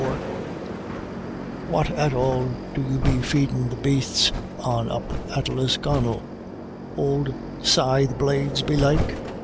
or, "What at all do you be feedin* the bastes on up at Lisconnel ? Ould scythe blades, belike